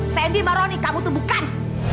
sandy maroni kamu tuh bukan